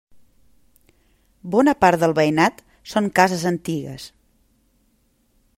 Bona part del veïnat són cases antigues.